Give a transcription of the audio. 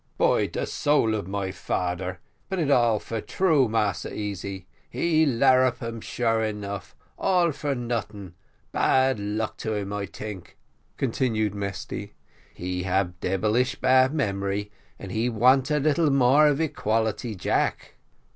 "By de soul of my fader, but it all for true, Massa Easy he larrap, um, sure enough all for noteing, bad luck to him I tink," continued Mesty, "he hab debelish bad memory and he want a little more of Equality Jack."